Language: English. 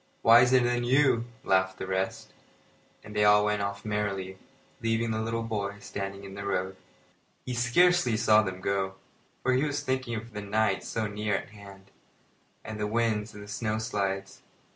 "Wiser than you," laughed the rest; and they all went off merrily, leaving the little boy standing in the road. He scarcely saw them go, for he was thinking of the night so near at hand, and the winds and the snow slides.